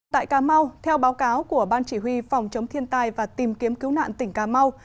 tại cà mau theo báo cáo của ban chỉ huy phòng chống thiên tai và tìm kiếm cứu nạn tỉnh cà mau